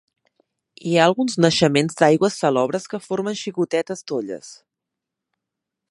Hi ha alguns naixements d'aigües salobres que formen xicotetes tolles.